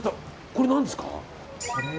これは何ですか？